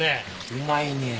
うまいねや。